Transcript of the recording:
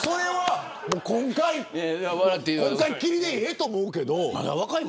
今回きりでええと思うけど。